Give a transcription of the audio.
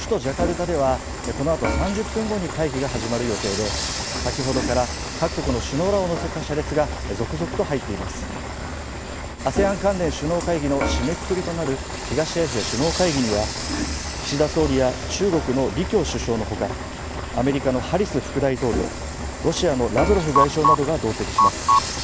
首都ジャカルタではこのあと３０分後に会議が始まる予定で先ほどから各国の首脳らを乗せた車列が続々と入っていますＡＳＥＡＮ関連首脳会議の締めくくりとなる東アジア首脳会議には岸田総理や中国の李強氏のほかアメリカのハリス副大統領ロシアのラブロフ外相などが同席します